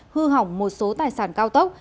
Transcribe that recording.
hư hỏng một số tài sản cao tốc